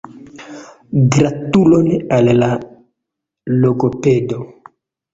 Gratulon al la logopedo!